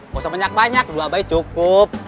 gak usah banyak banyak dua bayi cukup